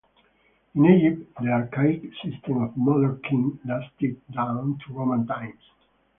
In Egypt the archaic system of mother-kin lasted down to Roman times.